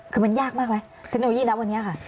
คือมันยากมากไหมเทคโนโลยีนะวันนี้ค่ะ